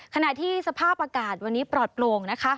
ขณะที่สภาพอากาศวันนี้ปลอดโปร่งนะคะ